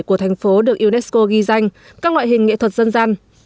của thành phố được unesco ghi danh các loại hình nghệ thuật dân gian